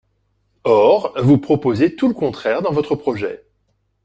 Or vous proposez tout le contraire dans votre projet.